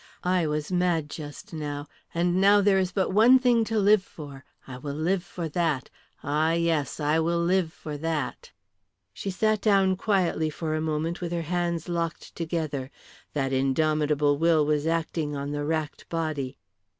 I was mad just now. And now there is but one thing to live for, I will live for that; ah, yes, I will live for that!" She sat down quietly for a moment with her hands locked together. That indomitable will was acting on the racked body.